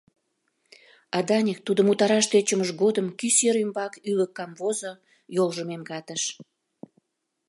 А Даник тудым утараш тӧчымыж годым кӱ сер ӱмбак ӱлык камвозо, йолжым эмгатыш.